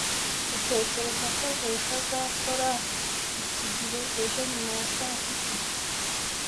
Utekereza ko Rwesa azakora iki gihe ejo nyuma ya saa sita?